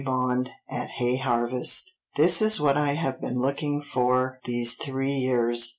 Bond at hay harvest, 'This is what I have been looking for these three years.